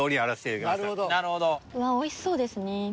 わあおいしそうですね。